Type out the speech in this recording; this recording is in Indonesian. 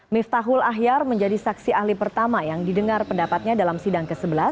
miftahul ahyar menjadi saksi ahli pertama yang didengar pendapatnya dalam sidang ke sebelas